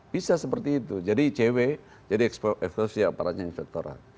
bisa seperti itu jadi icw jadi ex officio dari aparatnya inspektorat